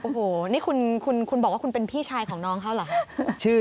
โอ้โหนี่คุณบอกว่าคุณเป็นพี่ชายของน้องเขาเหรอ